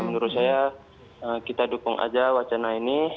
menurut saya kita dukung aja wacana ini